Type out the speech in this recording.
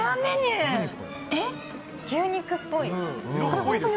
えっ、牛肉っぽい。